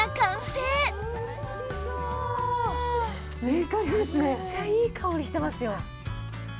めちゃくちゃいい香りしてますよ。